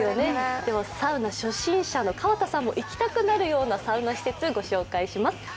サウナ初心者の河田さんもいきたくなるようなサウナ施設、ご紹介します。